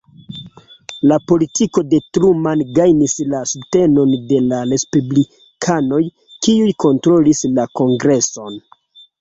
La politiko de Truman gajnis la subtenon de la respublikanoj kiuj kontrolis la kongreson.